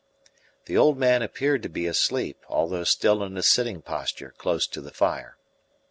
The old man appeared to be asleep, although still in a sitting posture close to the fire.